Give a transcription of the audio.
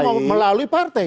rakyat akan melalui partai